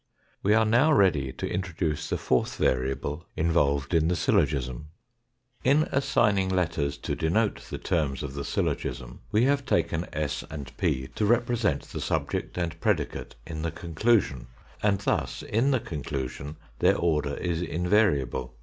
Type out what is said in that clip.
We are now ready to introduce the fourth variable involved in the syllogism. In assigning letters to denote the terms of the syllogism we have taken s and p to represent the subject and predicate in the conclusion, and thus in the conclusion their order is invariable.